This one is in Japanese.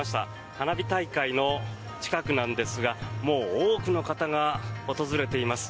花火大会の近くなんですがもう多くの方が訪れています。